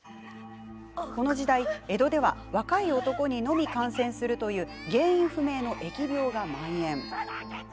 この時代、江戸では若い男にのみ感染するという原因不明の疫病が、まん延。